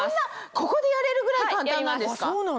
ここでやれるぐらい簡単なんですか？